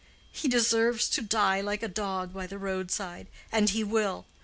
He deserves to die like a dog by the roadside, and he will.